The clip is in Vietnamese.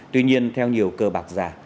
tuy nhiên theo nhiều cờ bạc già